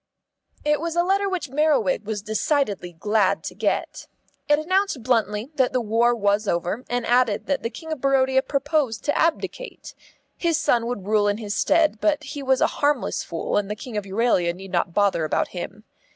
It was a letter which Merriwig was decidedly glad to get. It announced bluntly that the war was over, and added that the King of Barodia proposed to abdicate. His son would rule in his stead, but he was a harmless fool, and the King of Euralia need not bother about him.